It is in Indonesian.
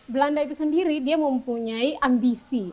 belanda itu sendiri dia mempunyai ambisi